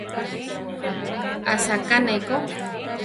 Asaká ne ko.